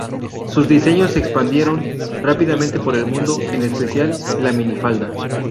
Sus diseños se expandieron rápidamente por el mundo, en especial la minifalda.